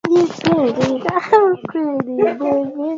Ambako kulitazamwa na Wajerumani kama eneo lao